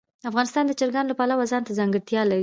افغانستان د چرګان د پلوه ځانته ځانګړتیا لري.